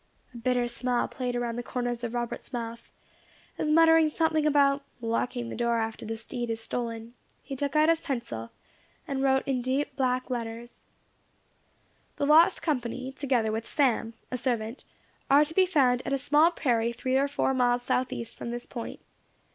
A bitter smile played around the corners of Robert's mouth, as muttering something about "locking the door after the steed is stolen," he took out his pencil, and wrote in deep black letters, "The lost company, together with Sam, a servant, are to be found at a small prairie three or four miles south east from this point.